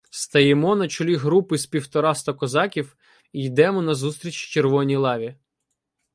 Стаємо на чолі групи з півтораста козаків і йдемо назустріч червоній лаві.